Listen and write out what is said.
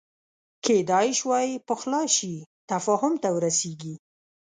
کېدای شوای پخلا شي تفاهم ته ورسېږي